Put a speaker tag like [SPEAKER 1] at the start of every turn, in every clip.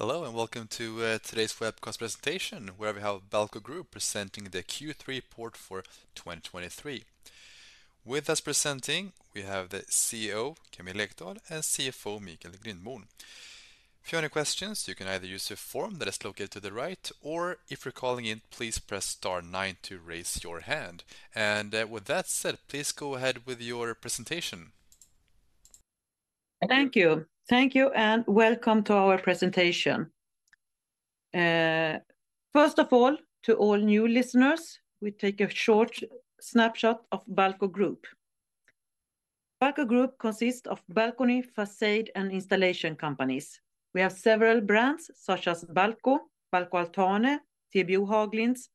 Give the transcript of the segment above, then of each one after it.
[SPEAKER 1] Hello, and welcome to today's webcast presentation, where we have Balco Group presenting the Q3 report for 2023. With us presenting, we have the CEO, Camilla Ekdahl, and CFO, Michael Grindborn. If you have any questions, you can either use the form that is located to the right, or if you're calling in, please press star nine to raise your hand. And, with that said, please go ahead with your presentation.
[SPEAKER 2] Thank you. Thank you, and welcome to our presentation. First of all, to all new listeners, we take a short snapshot of Balco Group. Balco Group consists of balcony, facade, and installation companies. We have several brands, such as Balco, Balco Altaner, TBO-Haglinds,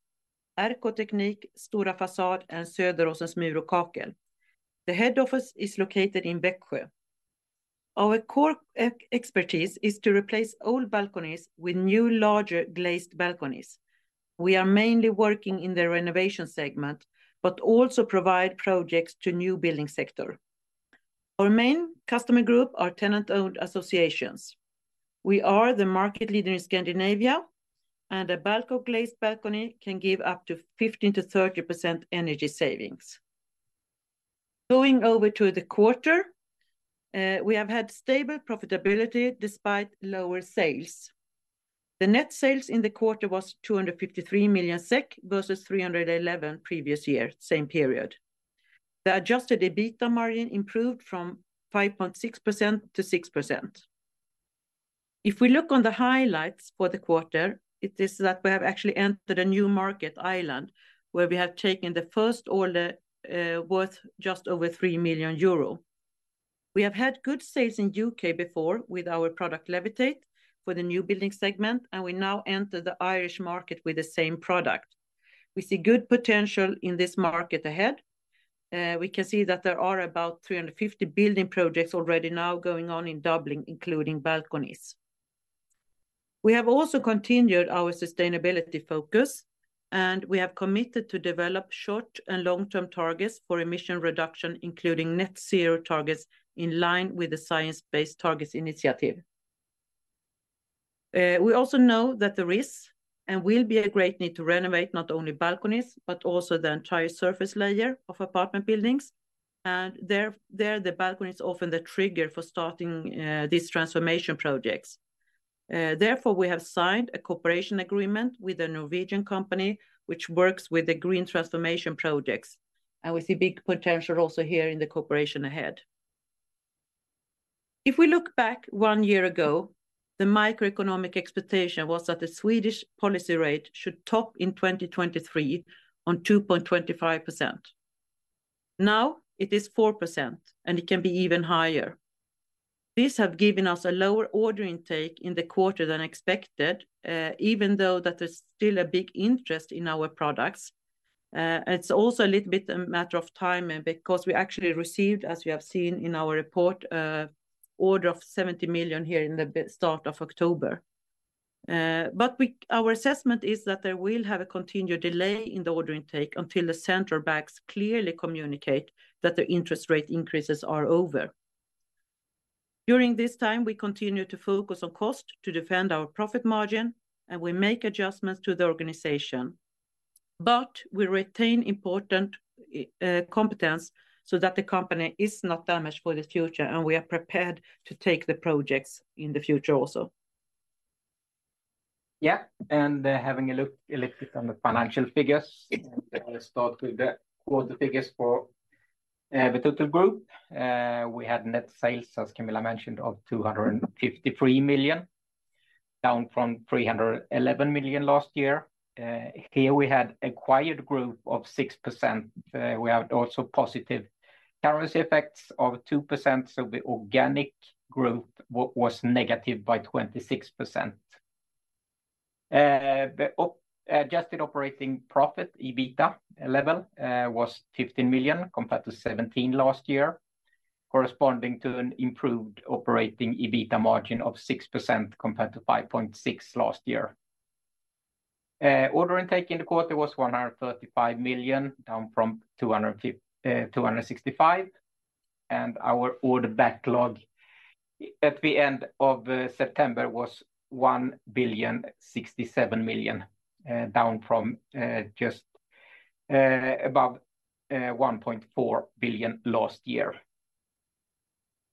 [SPEAKER 2] RK-Teknik, Stora Fasad, and Söderåsens Mur & Kakel. The head office is located in Växjö. Our core expertise is to replace old balconies with new, larger, glazed balconies. We are mainly working in the renovation segment, but also provide projects to new building sector. Our main customer group are tenant-owned associations. We are the market leader in Scandinavia, and a Balco glazed balcony can give up to 15%-30% energy savings. Going over to the quarter, we have had stable profitability despite lower sales. The net sales in the quarter was 253 million SEK versus 311 million previous year, same period. The adjusted EBITDA margin improved from 5.6% to 6%. If we look on the highlights for the quarter, it is that we have actually entered a new market, Ireland, where we have taken the first order, worth just over 3 million euro. We have had good sales in U.K. before with our product, Levitate, for the new building segment, and we now enter the Irish market with the same product. We see good potential in this market ahead. We can see that there are about 350 building projects already now going on in Dublin, including balconies. We have also continued our sustainability focus, and we have committed to develop short- and long-term targets for emission reduction, including net zero targets in line with the Science Based Targets initiative. We also know that there is and will be a great need to renovate not only balconies, but also the entire surface layer of apartment buildings, and there, the balcony is often the trigger for starting these transformation projects. Therefore, we have signed a cooperation agreement with a Norwegian company, which works with the green transformation projects, and we see big potential also here in the cooperation ahead. If we look back one year ago, the microeconomic expectation was that the Swedish policy rate should top in 2023 on 2.25%. Now, it is 4%, and it can be even higher. This have given us a lower order intake in the quarter than expected, even though that there's still a big interest in our products. It's also a little bit a matter of timing because we actually received, as we have seen in our report, order of 70 million here in the start of October. Our assessment is that there will have a continued delay in the order intake until the central banks clearly communicate that the interest rate increases are over. During this time, we continue to focus on cost to defend our profit margin, and we make adjustments to the organization, but we retain important competence so that the company is not damaged for the future, and we are prepared to take the projects in the future also.
[SPEAKER 3] Yeah, and having a look on the financial figures, start with the quarter figures for the total group. We had net sales, as Camilla mentioned, of 253 million, down from 311 million last year. Here we had acquired growth of 6%. We have also positive currency effects of 2%, so the organic growth was negative by 26%. The adjusted operating profit, EBITDA level, was 15 million, compared to 17 million last year, corresponding to an improved operating EBITDA margin of 6%, compared to 5.6% last year. Order intake in the quarter was 135 million, down from 265 million, and our order backlog at the end of September was 1,067,000,000, down from just above 1.4 billion last year.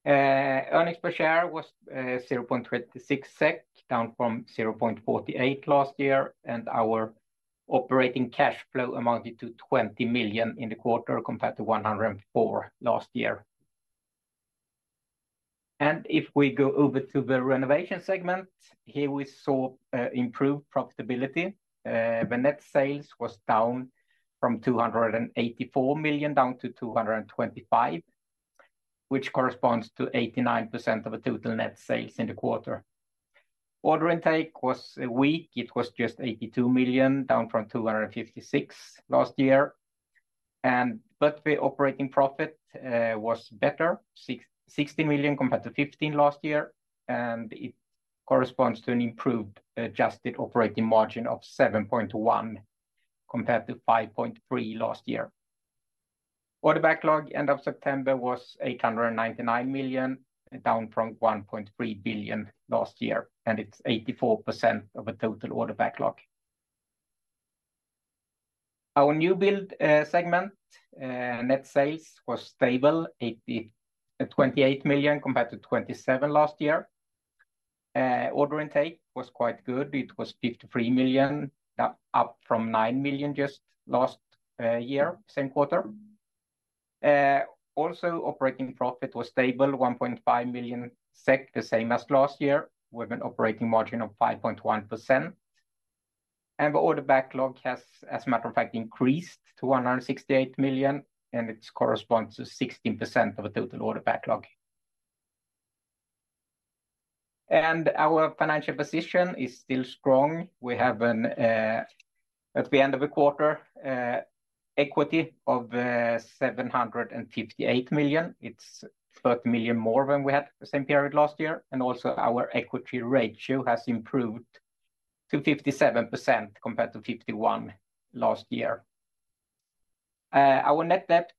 [SPEAKER 3] Earnings per share was 0.26 SEK, down from 0.48 last year, and our operating cash flow amounted to 20 million in the quarter, compared to 104 million last year. And if we go over to the renovation segment, here we saw improved profitability. The net sales was down from 284 million down to 225 million, which corresponds to 89% of the total net sales in the quarter. Order intake was weak. It was just 82 million, down from 256 last year. But the operating profit was better, 16 million compared to 15 million last year, and it corresponds to an improved adjusted operating margin of 7.1% compared to 5.3% last year. Order backlog, end of September was 899 million, down from 1.3 billion last year, and it's 84% of the total order backlog. Our new build segment net sales was stable, 28 million compared to 27 million last year. Order intake was quite good. It was 53 million, up from 9 million just last year, same quarter. Also operating profit was stable, 1.5 million SEK, the same as last year, with an operating margin of 5.1%. The order backlog has, as a matter of fact, increased to 168 million, and it corresponds to 16% of the total order backlog. Our financial position is still strong. We have an, at the end of the quarter, equity of 758 million. It's 30 million more than we had the same period last year, and also, our equity ratio has improved to 57% compared to 51% last year. Our net debt,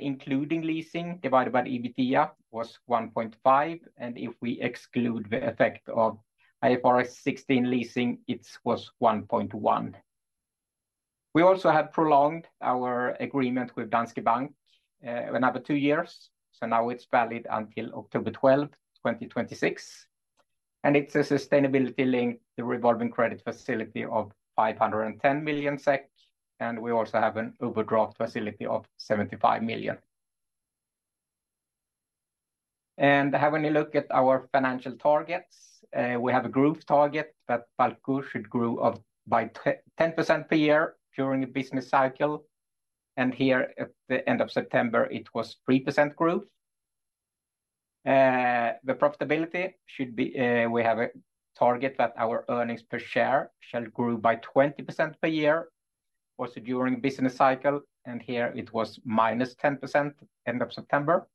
[SPEAKER 3] including leasing, divided by EBITDA, was 1.5x, and if we exclude the effect of IFRS 16 leasing, it was 1.1x. We also have prolonged our agreement with Danske Bank, another two years, so now it's valid until October 12th, 2026, and it's a sustainability link, the revolving credit facility of 510 million SEK, and we also have an overdraft facility of 75 million. Having a look at our financial targets, we have a growth target that Balco should grow by 10% per year during a business cycle, and here, at the end of September, it was 3% growth. The profitability should be, we have a target that our earnings per share shall grow by 20% per year, also during business cycle, and here it was -10% end of September.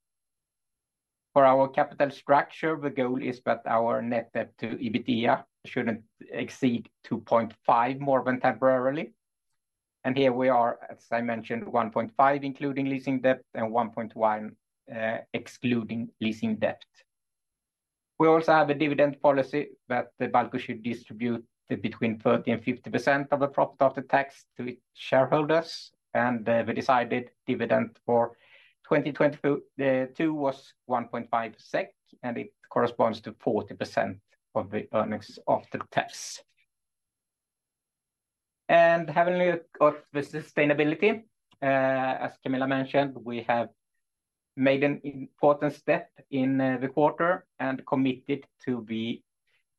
[SPEAKER 3] For our capital structure, the goal is that our net debt to EBITDA shouldn't exceed 2.5x more than temporarily. Here we are, as I mentioned, 1.5x, including leasing debt, and 1.1x, excluding leasing debt. We also have a dividend policy that Balco should distribute between 30%-50% of the profit after tax to shareholders, and the decided dividend for 2022 was 1.5 SEK, and it corresponds to 40% of the earnings after tax. Having a look at the sustainability, as Camilla mentioned, we have made an important step in the quarter and committed to the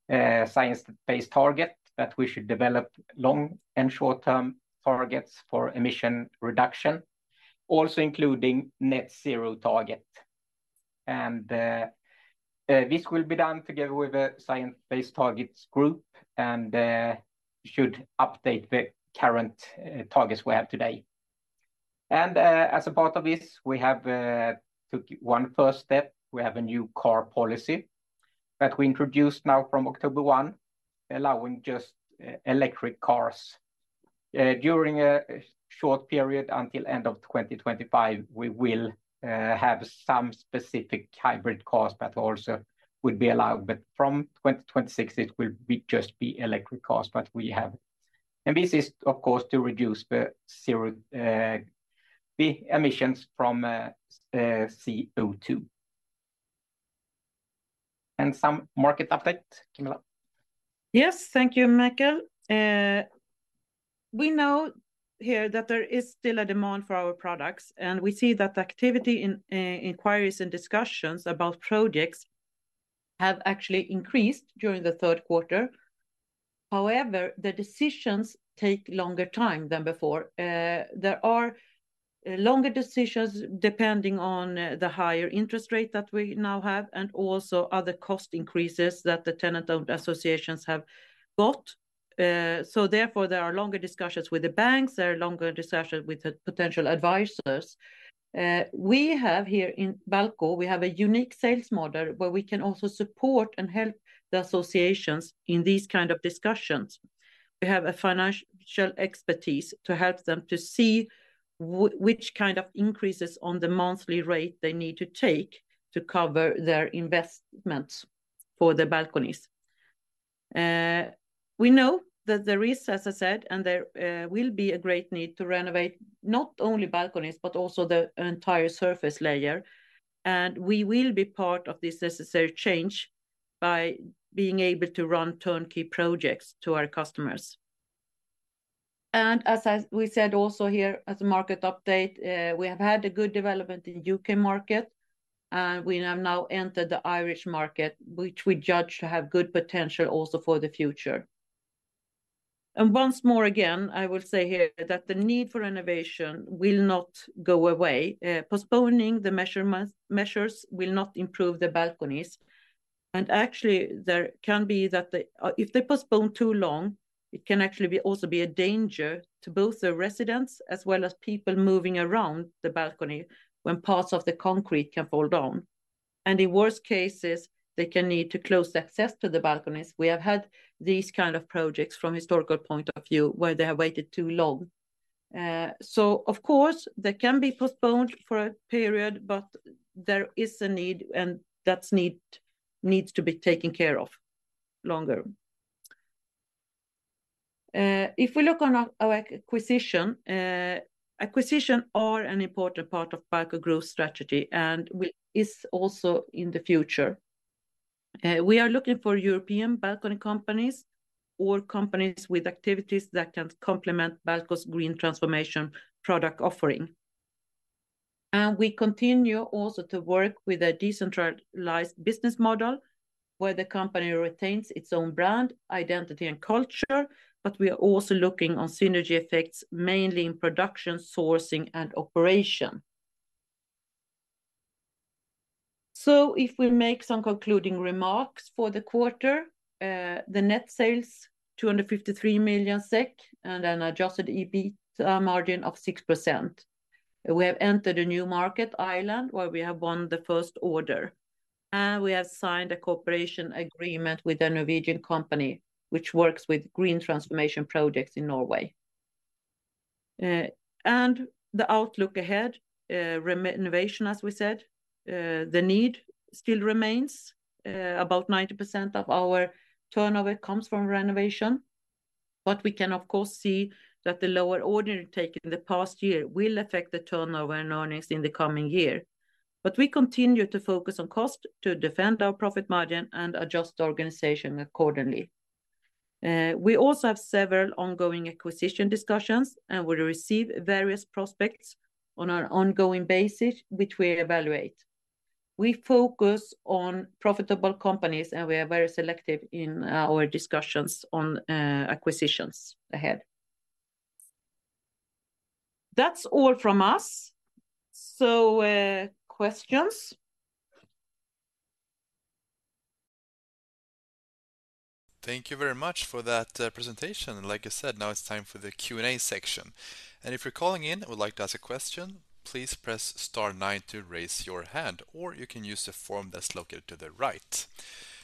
[SPEAKER 3] science-based target that we should develop long- and short-term targets for emission reduction, also including net zero target. This will be done together with a science-based targets group and should update the current targets we have today. As a part of this, we have took one first step. We have a new car policy that we introduced now from October 1, allowing just electric cars. During a short period until end of 2025, we will have some specific hybrid cars that also would be allowed, but from 2026, it will be just electric cars. But we have... And this is, of course, to reduce the zero emissions from CO2. And some market update, Camilla?
[SPEAKER 2] Yes. Thank you, Michael. We know here that there is still a demand for our products, and we see that activity in inquiries and discussions about projects have actually increased during the third quarter. However, the decisions take longer time than before. There are longer decisions depending on the higher interest rate that we now have and also other cost increases that the tenant-owned associations have got. So therefore, there are longer discussions with the banks, there are longer discussions with the potential advisors. We have here in Balco, we have a unique sales model, where we can also support and help the associations in these kind of discussions. We have a financial expertise to help them to see which kind of increases on the monthly rate they need to take to cover their investments for the balconies. We know that there is, as I said, and there will be a great need to renovate not only balconies but also the entire surface layer, and we will be part of this necessary change by being able to run turnkey projects to our customers. We said also here, as a market update, we have had a good development in U.K. market, and we have now entered the Irish market, which we judge to have good potential also for the future. Once more again, I will say here that the need for renovation will not go away. Postponing the measures will not improve the balconies, and actually, there can be that if they postpone too long, it can actually also be a danger to both the residents as well as people moving around the balcony when parts of the concrete can fall down. In worst cases, they can need to close access to the balconies. We have had these kind of projects from historical point of view, where they have waited too long. Of course, they can be postponed for a period, but there is a need, and that need needs to be taken care of longer. If we look on our acquisition, acquisition are an important part of Balco growth strategy, and we is also in the future. We are looking for European balcony companies or companies with activities that can complement Balco's green transformation product offering. We continue also to work with a decentralized business model, where the company retains its own brand, identity, and culture, but we are also looking on synergy effects, mainly in production, sourcing, and operation. So if we make some concluding remarks for the quarter, the net sales 253 million SEK, and an adjusted EBITA margin of 6%. We have entered a new market, Ireland, where we have won the first order, and we have signed a cooperation agreement with a Norwegian company, which works with green transformation projects in Norway. The outlook ahead, renovation, as we said, the need still remains. About 90% of our turnover comes from renovation, but we can, of course, see that the lower order taken in the past year will affect the turnover and earnings in the coming year. But we continue to focus on cost to defend our profit margin and adjust the organization accordingly. We also have several ongoing acquisition discussions, and we receive various prospects on an ongoing basis, which we evaluate. We focus on profitable companies, and we are very selective in our discussions on acquisitions ahead. That's all from us. So, questions?
[SPEAKER 1] Thank you very much for that presentation. Like I said, now it's time for the Q&A section. If you're calling in and would like to ask a question, please press star nine to raise your hand, or you can use the form that's located to the right.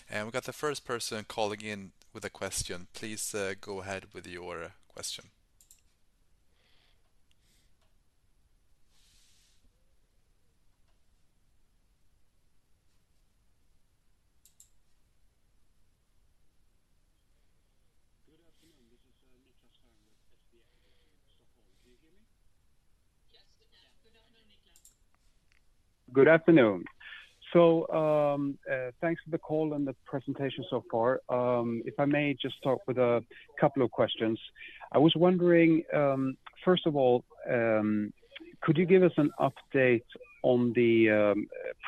[SPEAKER 1] We've got the first person calling in with a question. Please, go ahead with your question.
[SPEAKER 4] Good afternoon, this is Niklas Stein with SBI Stockholm. Can you hear me?
[SPEAKER 2] Yes. Good afternoon, Niklas.
[SPEAKER 4] Good afternoon. Thanks for the call and the presentation so far. If I may just start with a couple of questions. I was wondering, first of all, could you give us an update on the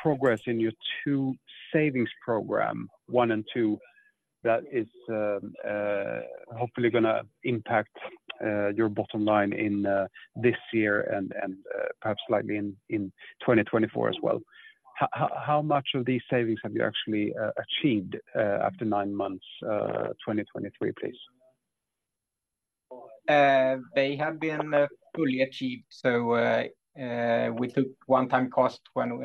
[SPEAKER 4] progress in your two savings program, one and two, that is, hopefully gonna impact your bottom line in this year and perhaps slightly in 2024 as well? How much of these savings have you actually achieved after nine months, 2023, please?
[SPEAKER 3] They have been fully achieved. So, we took one-time cost when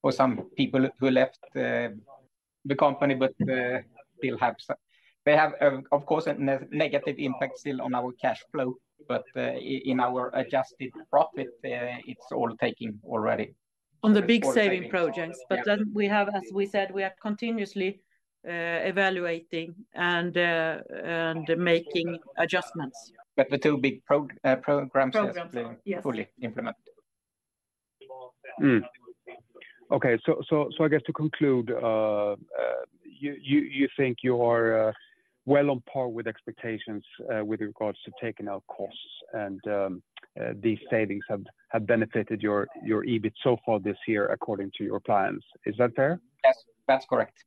[SPEAKER 3] for some people who left the company, but still have some. They have, of course, a negative impact still on our cash flow, but in our adjusted profit, it's all taken already.
[SPEAKER 2] On the big saving projects.
[SPEAKER 3] Yeah.
[SPEAKER 2] But then we have, as we said, we are continuously evaluating and making adjustments.
[SPEAKER 3] But the two big programs.
[SPEAKER 2] Programs, yes.
[SPEAKER 3] Fully implemented.
[SPEAKER 4] Okay. So, I guess to conclude, you think you are well on par with expectations with regards to taking out costs, and these savings have benefited your EBIT so far this year, according to your plans. Is that fair?
[SPEAKER 3] Yes, that's correct.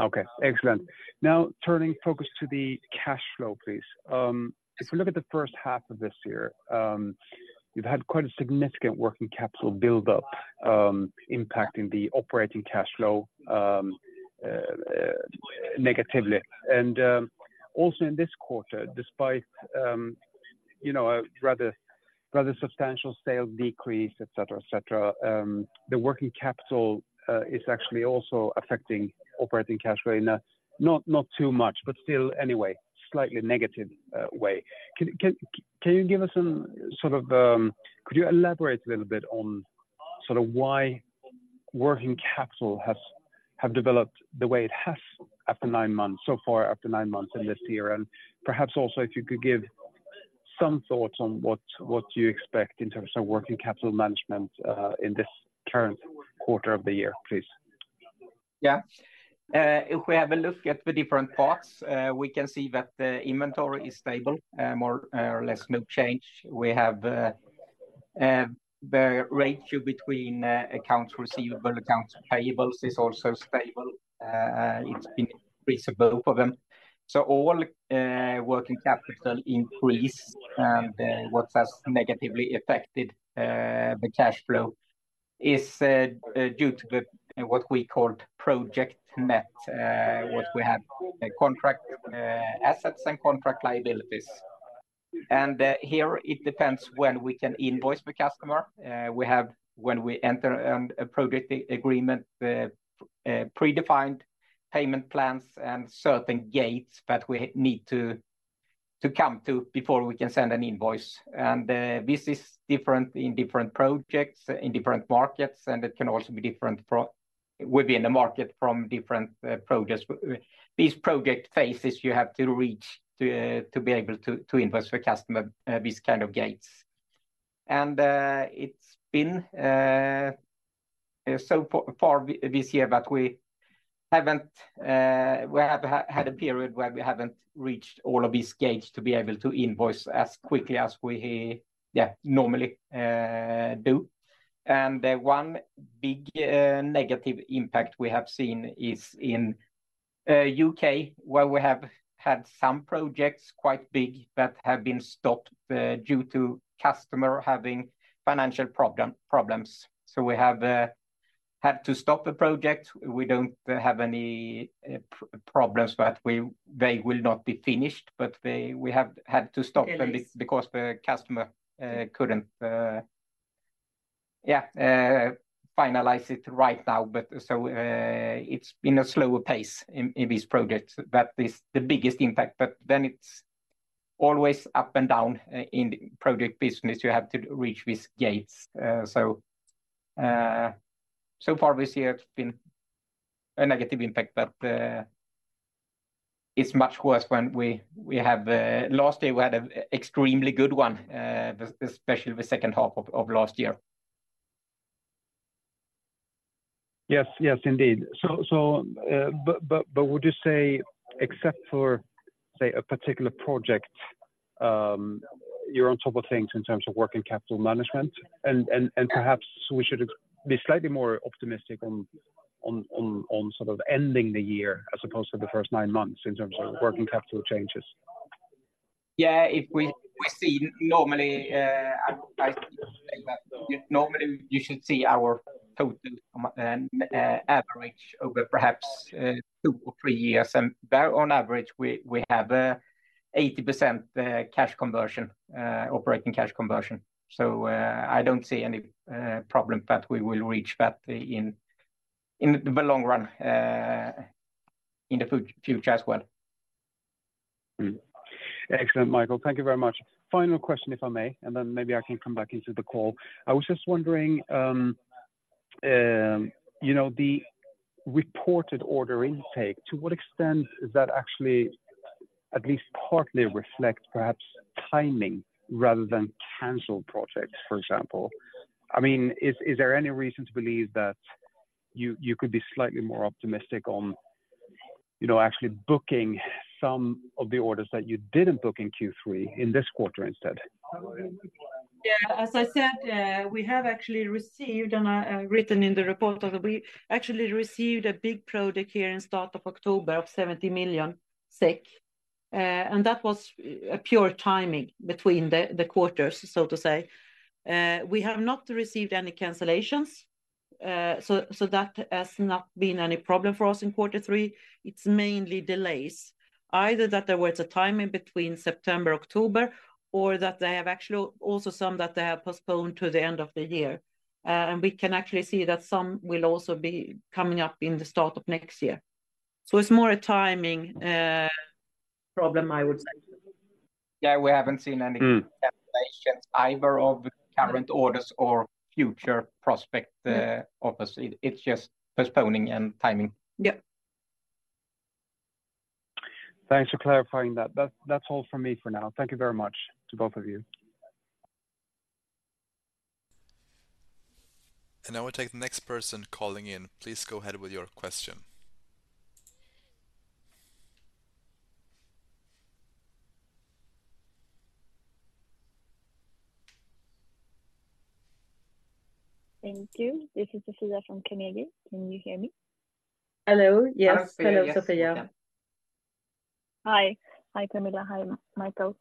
[SPEAKER 4] Okay, excellent. Now, turning focus to the cash flow, please. If we look at the first half of this year, you've had quite a significant working capital build-up, impacting the operating cash flow, negatively. And, also in this quarter, despite, you know, a rather, rather substantial sales decrease, et cetera, et cetera, the working capital is actually also affecting operating cash flow in a not, not too much, but still anyway, slightly negative way. Can you give us some sort of, could you elaborate a little bit on sort of why working capital has developed the way it has after nine months, so far after nine months in this year? Perhaps also, if you could give some thoughts on what you expect in terms of working capital management in this current quarter of the year, please.
[SPEAKER 3] Yeah. If we have a look at the different parts, we can see that the inventory is stable, more or less no change. We have the ratio between accounts receivable, accounts payables is also stable. It's been increase of both of them. So all working capital increase, and what has negatively affected the cash flow is due to the what we call project net, what we have contract assets and contract liabilities. And here it depends when we can invoice the customer. We have when we enter a project agreement, the predefined payment plans and certain gates that we need to come to before we can send an invoice. And, this is different in different projects, in different markets, and it can also be different within the market from different projects. These project phases you have to reach to be able to invoice the customer, these kind of gates. And, it's been so far this year that we haven't, we have had a period where we haven't reached all of these gates to be able to invoice as quickly as we normally do. And the one big negative impact we have seen is in UK, where we have had some projects, quite big, that have been stopped due to customer having financial problems. So we have had to stop the project. We don't have any problems, but they will not be finished, but we have had to stop them.
[SPEAKER 2] Delays.
[SPEAKER 3] Because the customer couldn't finalize it right now. But it's been a slower pace in this project, that is the biggest impact. But then it's always up and down in project business. You have to reach these gates. So far this year, it's been a negative impact, but it's much worse when we have, last year, we had a extremely good one, especially the second half of last year.
[SPEAKER 4] Yes. Yes, indeed. So, but would you say, except for, say, a particular project, you're on top of things in terms of working capital management? And perhaps we should be slightly more optimistic on sort of ending the year, as opposed to the first nine months in terms of working capital changes.
[SPEAKER 3] Yeah, if we see normally, normally, you should see our total average over perhaps two or three years. And there on average, we have 80% cash conversion, operating cash conversion. So, I don't see any problem that we will reach that in the long run, in the future as well.
[SPEAKER 4] Mm-hmm. Excellent, Michael. Thank you very much. Final question, if I may, and then maybe I can come back into the call. I was just wondering, you know, the reported order intake, to what extent does that actually at least partly reflect perhaps timing rather than canceled projects, for example? I mean, is there any reason to believe that you could be slightly more optimistic on, you know, actually booking some of the orders that you didn't book in Q3, in this quarter instead?
[SPEAKER 2] Yeah. As I said, we have actually received, and I written in the report, that we actually received a big project here in start of October of 70 million SEK, and that was a pure timing between the quarters, so to say. We have not received any cancellations, so that has not been any problem for us in quarter three. It's mainly delays, either that there was a timing between September, October, or that they have actually also some that they have postponed to the end of the year. And we can actually see that some will also be coming up in the start of next year. So it's more a timing problem, I would say.
[SPEAKER 3] Yeah, we haven't seen any.
[SPEAKER 4] Mm.
[SPEAKER 3] Cancellations either of current orders or future prospect. Obviously, it's just postponing and timing.
[SPEAKER 2] Yeah.
[SPEAKER 4] Thanks for clarifying that. That, that's all from me for now. Thank you very much to both of you.
[SPEAKER 1] I will take the next person calling in. Please go ahead with your question.
[SPEAKER 5] Thank you. This is Sofia from Carnegie. Can you hear me?
[SPEAKER 2] Hello. Yes.
[SPEAKER 3] Hello, Sofia.
[SPEAKER 2] Yeah.
[SPEAKER 5] Hi. Hi, Camilla. Hi, Michael.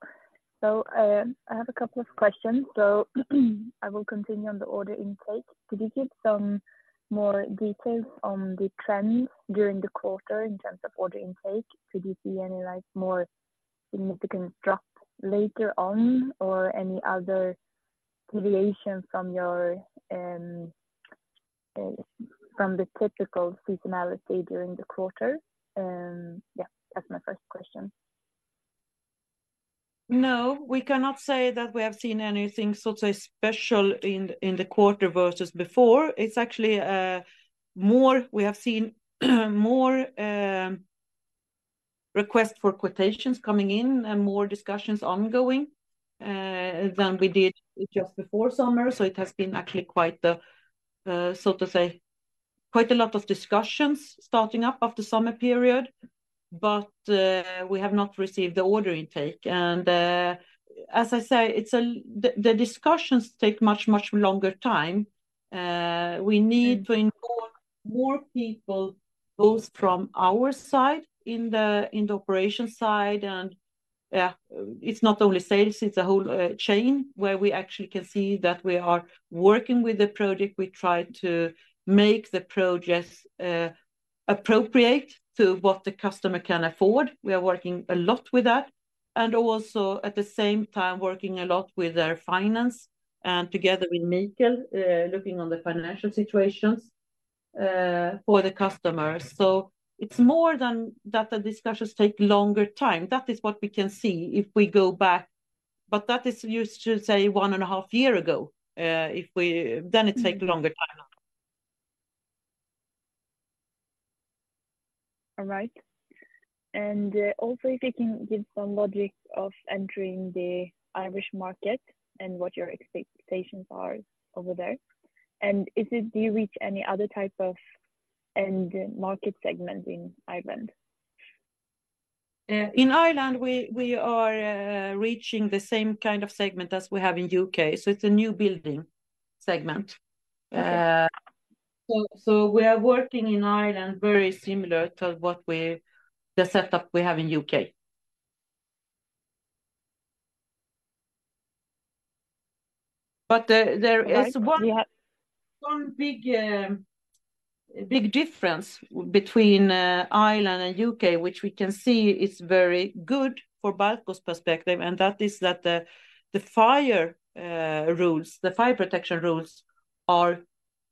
[SPEAKER 5] So, I have a couple of questions. So I will continue on the order intake. Could you give some more details on the trends during the quarter in terms of order intake? Did you see any, like, more significant drop later on, or any other deviation from your, from the typical seasonality during the quarter? Yeah, that's my first question.
[SPEAKER 2] No, we cannot say that we have seen anything sort of special in the quarter versus before. It's actually more, we have seen, more request for quotations coming in and more discussions ongoing than we did just before summer. So it has been actually quite, so to say, quite a lot of discussions starting up after summer period, but we have not received the order intake. And, as I say, it's a, the discussions take much, much longer time. We need to involve more people, both from our side, in the operation side, and yeah, it's not only sales, it's a whole chain, where we actually can see that we are working with the project. We try to make the projects appropriate to what the customer can afford. We are working a lot with that, and also at the same time, working a lot with their finance, and together with Michael, looking on the financial situations, for the customers. So it's more than that the discussions take longer time. That is what we can see if we go back, but that is used to, say, 1.5 year ago, then it take a longer time.
[SPEAKER 5] All right. Also, if you can give some logic of entering the Irish market and what your expectations are over there. And is it, do you reach any other type of end market segment in Ireland?
[SPEAKER 2] In Ireland, we are reaching the same kind of segment as we have in U.K., so it's a new building segment.
[SPEAKER 5] Okay.
[SPEAKER 2] So we are working in Ireland very similar to the setup we have in U.K. But there is.
[SPEAKER 5] Right. We have.
[SPEAKER 2] One big difference between Ireland and the U.K., which we can see is very good for Balco's perspective, and that is that the fire rules, the fire protection rules are,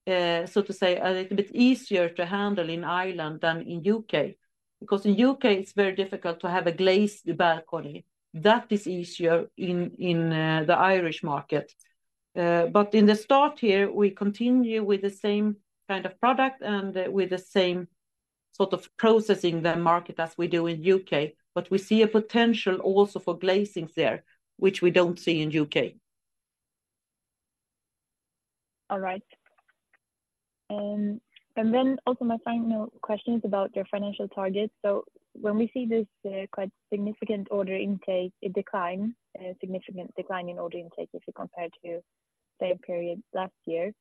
[SPEAKER 2] so to say, a little bit easier to handle in Ireland than in the U.K. Because in the U.K., it's very difficult to have a glazed balcony. That is easier in the Irish market. But in the start here, we continue with the same kind of product and with the same sort of processing the market as we do in the U.K., but we see a potential also for glazing there, which we don't see in the U.K.
[SPEAKER 5] All right. And then also my final question is about your financial targets. So when we see this quite significant order intake, it declines, a significant decline in order intake, if you compare to same period last year.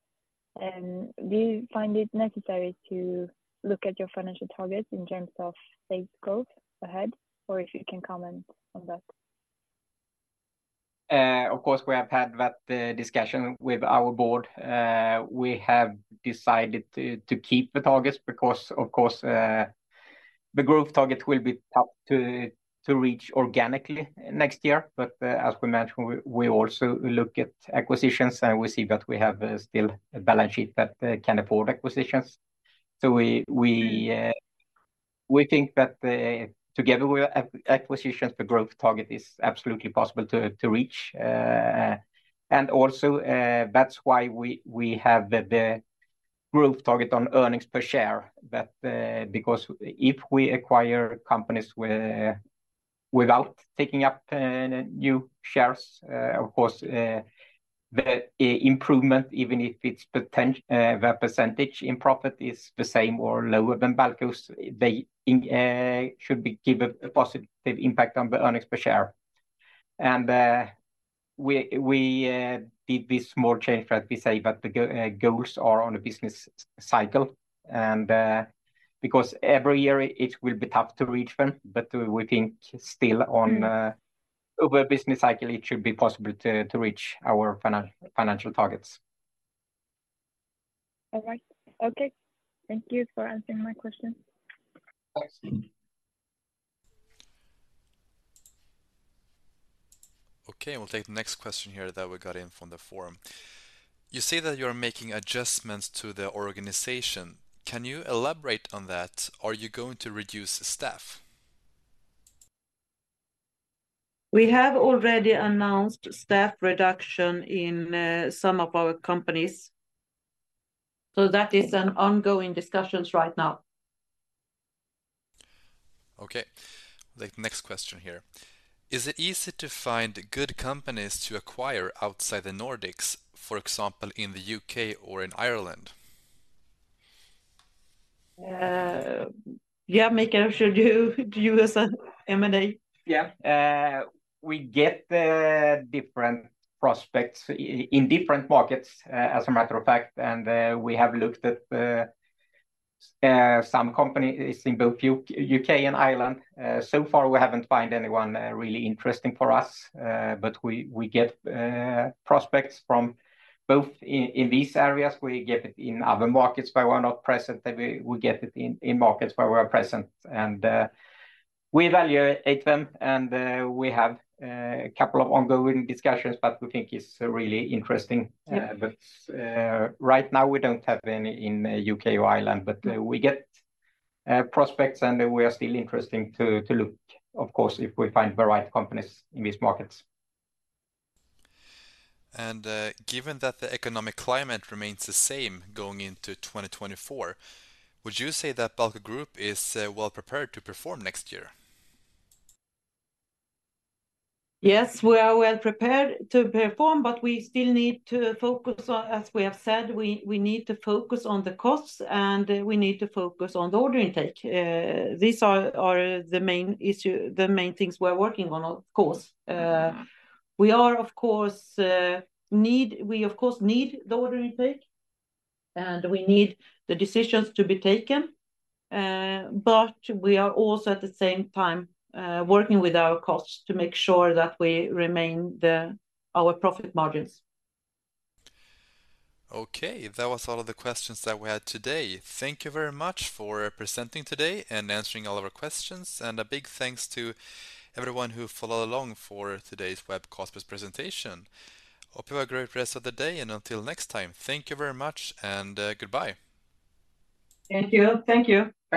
[SPEAKER 5] Do you find it necessary to look at your financial targets in terms of safe growth ahead, or if you can comment on that?
[SPEAKER 3] Of course, we have had that discussion with our board. We have decided to keep the targets because, of course, the growth target will be tough to reach organically next year. But as we mentioned, we also look at acquisitions, and we see that we have still a balance sheet that can afford acquisitions. So we think that together with acquisitions, the growth target is absolutely possible to reach. And also, that's why we have the growth target on earnings per share, because if we acquire companies without taking up new shares, of course, the improvement, even if it's potent. The percentage in profit is the same or lower than Balco's, then it should give a positive impact on the earnings per share. And we did this small change that we say that the goals are on a business cycle, and because every year it will be tough to reach them, but we think still over a business cycle, it should be possible to reach our financial targets.
[SPEAKER 5] All right. Okay, thank you for answering my question.
[SPEAKER 3] Thanks.
[SPEAKER 1] Okay, we'll take the next question here that we got in from the forum. You say that you're making adjustments to the organization. Can you elaborate on that? Are you going to reduce staff?
[SPEAKER 2] We have already announced staff reduction in some of our companies, so that is an ongoing discussions right now.
[SPEAKER 1] Okay, the next question here: Is it easy to find good companies to acquire outside the Nordics, for example, in the U.K. or in Ireland?
[SPEAKER 2] Yeah, Michael, should you, you as a M&A?
[SPEAKER 3] Yeah. We get different prospects in different markets, as a matter of fact, and we have looked at some companies in both U.K. and Ireland. So far, we haven't find anyone really interesting for us, but we get prospects from both in these areas. We get it in other markets, but we're not present. Then we get it in markets where we are present, and we evaluate them, and we have a couple of ongoing discussions that we think is really interesting.
[SPEAKER 2] Yeah.
[SPEAKER 3] But right now, we don't have any in the U.K. or Ireland, but we get prospects, and we are still interested to look, of course, if we find the right companies in these markets.
[SPEAKER 1] Given that the economic climate remains the same going into 2024, would you say that Balco Group is well-prepared to perform next year?
[SPEAKER 2] Yes, we are well-prepared to perform, but we still need to focus on, as we have said, we need to focus on the costs, and we need to focus on the order intake. These are the main issue, the main things we're working on, of course. We, of course, need the order intake, and we need the decisions to be taken, but we are also at the same time working with our costs to make sure that we remain our profit margins.
[SPEAKER 1] Okay, that was all of the questions that we had today. Thank you very much for presenting today and answering all of our questions, and a big thanks to everyone who followed along for today's Webcast presentation. Hope you have a great rest of the day, and until next time, thank you very much, and goodbye.
[SPEAKER 2] Thank you. Thank you.